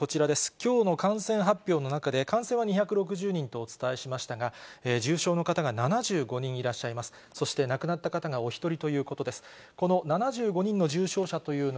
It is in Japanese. きょうの感染発表の中で、感染は２６０人とお伝えしましたが、重症の方が７５人いらっしゃいます。